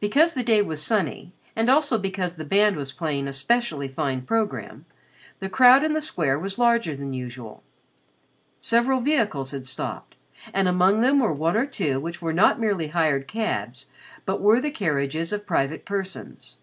Because the day was sunny, and also because the band was playing a specially fine programme, the crowd in the square was larger than usual. Several vehicles had stopped, and among them were one or two which were not merely hired cabs but were the carriages of private persons.